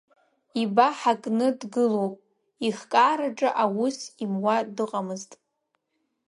Ибаҳа кны дгылоуп, ихкаараҿы аус имуа дыҟамызт.